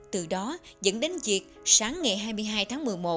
từ đó dẫn đến việc sáng ngày hai mươi hai tháng một mươi một